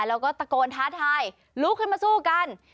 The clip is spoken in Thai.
แล้วก็ตะโกนท้าทายลุกขึ้นมาสู้กัน